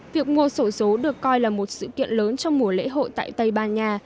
việc mua sổ số được coi là một sự kiện lớn trong mùa lễ hội tại tây ban nha